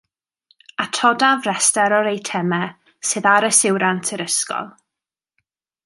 Atodaf restr o'r eitemau sydd ar yswiriant yr ysgol